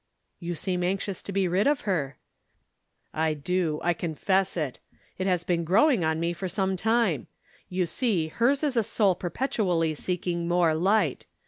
"You seem anxious to be rid of her." "I do. I confess it. It has been growing on me for some time. You see hers is a soul perpetually seeking more light.